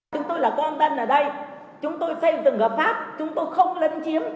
chúng tôi là con tên ở đây chúng tôi xây dựng ở pháp chúng tôi không lấn chiếm